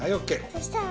そしたら？